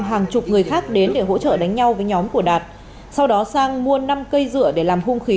hàng chục người khác đến để hỗ trợ đánh nhau với nhóm của đạt sau đó sang mua năm cây dựa để làm hung khí